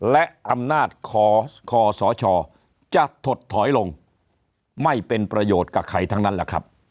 และอำนาจคอสชจะถดถอยลงไม่เป็นประโยชน์กับใครทั้งนั้นแหละครับ